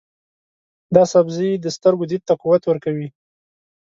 دا سبزی د سترګو دید ته قوت ورکوي.